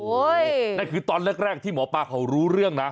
นั่นคือตอนแรกที่หมอปลาเขารู้เรื่องนะ